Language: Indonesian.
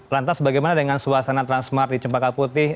lantas bagaimana dengan suasana transmart di cempaka putih